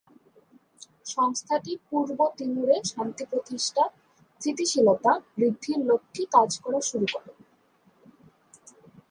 সংস্থাটি পূর্ব তিমুরে শান্তি প্রতিষ্ঠা, স্থিতিশীলতা বৃদ্ধির লক্ষ্যে কাজ করা শুরু করে।